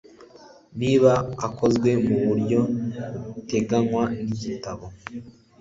niba ikozwe mu buryo buteganywa n Igitabo